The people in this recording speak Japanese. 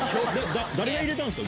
誰が入れたんですか？